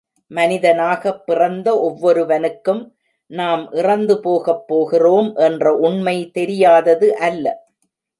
மனிதனாகப் பிறந்த ஒவ்வொருவனுக்கும் நாம் இறந்து போகப் போகிறோம் என்ற உண்மை தெரியாதது அல்ல.